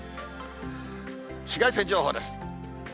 紫外線情報です。